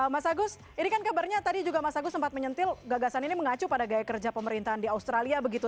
mas agus ini kan kabarnya tadi juga mas agus sempat menyentil gagasan ini mengacu pada gaya kerja pemerintahan di australia begitu